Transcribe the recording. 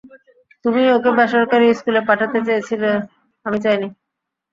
তুমিই ওকে বেসরকারি স্কুলে পাঠাতে চেয়েছিলে, আমি চাইনি।